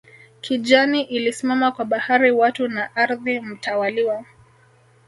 Kijani ilisimama kwa bahari watu na ardhi mtawaliwa